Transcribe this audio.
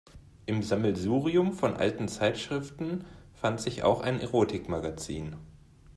Im Sammelsurium von alten Zeitschriften fand sich auch ein Erotikmagazin.